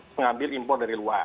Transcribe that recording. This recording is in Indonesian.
pengambil impor dari luar